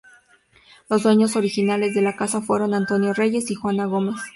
Los dueños originales de la casa fueron Antonio Reyes y Juana Gómez.